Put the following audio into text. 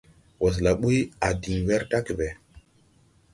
Wɔsɛla ɓuy a diŋ wɛr dage jag ɓɛ.